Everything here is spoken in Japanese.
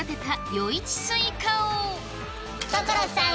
所さん